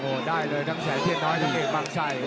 โอ้ได้เลยทั้งแศษและดังไง